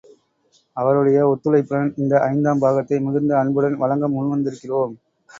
அவருடைய ஒத்துழைப்புடன், இந்த ஐந்தாம் பாகத்தை மிகுந்த அன்புடன் வழங்க முன்வந்திருக்கிறோம்.